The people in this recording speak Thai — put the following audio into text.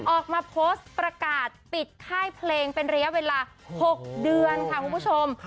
ออกมาโพสต์ประกาศปิดค่ายเพลงเป็นระยะเวลา๖เดือนค่ะคุณผู้ชม